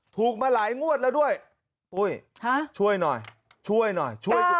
ถูกมาหลายงวดแล้วด้วยปุ้ยช่วยหน่อยช่วยหน่อยช่วยดู